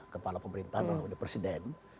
kepala pemerintahan oleh pdi presiden